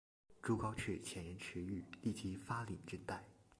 朱高炽遣人驰谕立即发廪赈贷。